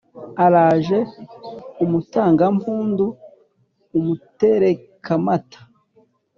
araje umutangampundu, umuterekamata